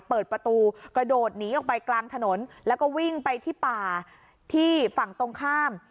เปิดประตูกระโดดหนีออกไปกลางถนนแล้วก็วิ่งไปที่ป่าที่ฝั่งตรงข้าม